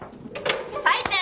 最低！